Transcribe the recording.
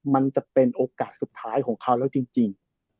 มันจะเป็นโอกาสสุดท้ายของเขาแล้วจริง